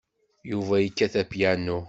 Yuba yekkat apyanu.